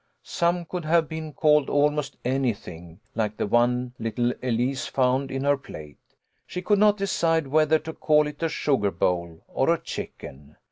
Some could have been called almost anything, like the one little Elise found in her plate. She could not decide whether to call it a sugar bowl or a chicken.